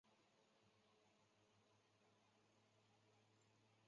刺呈灰色。